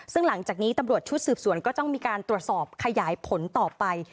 ซึ่งหลังจากนี้ตำรวจชุดสืบสวนก็ต้องมีการตรวจสอบขยายผลต่อไป